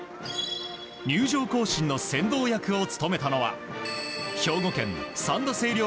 入場行進の先導役を務めたのは兵庫県三田西陵